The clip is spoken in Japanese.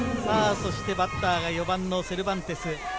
そしてバッターが４番のセルバンテス。